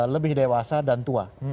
lebih dewasa dan tua